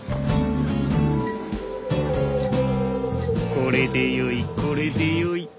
これでよいこれでよい。